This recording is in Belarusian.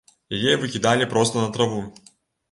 Яе выкідалі проста на траву.